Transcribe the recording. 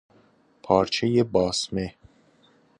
پارچهٔ باسمه